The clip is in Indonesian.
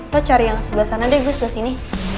lo cari yang ke sebelah sana deh gue sebelah sini